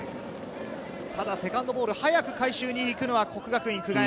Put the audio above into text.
セカンドボールを早く回収に行くのは國學院久我山。